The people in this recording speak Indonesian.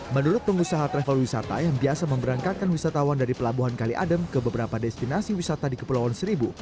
menurut pengusaha travel wisata yang biasa memberangkatkan wisatawan dari pelabuhan kali adem ke beberapa destinasi wisata di kepulauan seribu